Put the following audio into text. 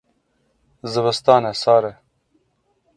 Zivistan e sar e.